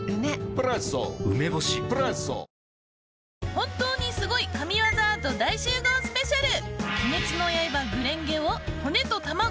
本当にすごい神技アート大集合スペシャル。